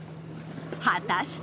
果たして？